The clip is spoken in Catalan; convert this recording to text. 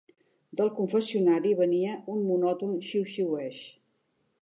Del confessionari venia un monòton xiuxiueig.